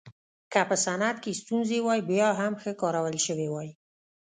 که په صنعت کې ستونزې وای بیا هم ښه کارول شوې وای